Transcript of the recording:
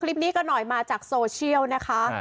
คลิปนี้ก็หน่อยมาจากโซเชียลนะคะ